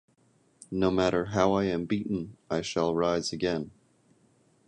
No matter how I am beaten, I shall rise again.